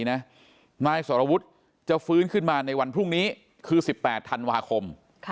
นาฬิสต์สระวุฒิจะฟื้นมาในวันพรุ่งนี้คือ๑๘ธันวาคม